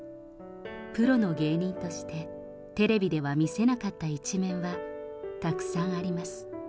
プロの芸人として、テレビでは見せなかった一面はたくさんあります。